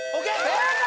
正解